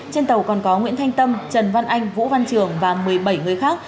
trên tàu còn có nguyễn thanh tâm trần văn anh vũ văn trường và một mươi bảy người khác